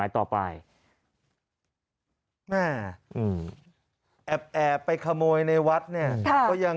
แอบแอไปขโมยในวัดเนี่ย